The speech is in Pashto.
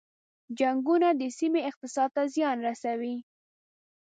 جنګونه د سیمې اقتصاد ته زیان رسوي.